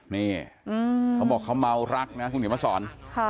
นี่เขาบอกเขาเมารักนะคุณเขียนมาสอน